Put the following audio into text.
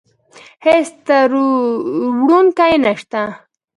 هېڅ تروړونکی يې نشته.